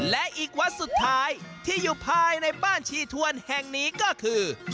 และอีกวัดสุดท้ายที่อยู่ภายในบ้านชีทวนแห่งนี้ก็คือ